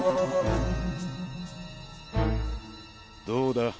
どうだ？